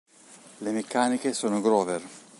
Le meccaniche sono Grover.